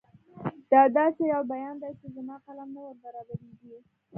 دا داسې یو بیان دی چې زما قلم نه وربرابرېږي.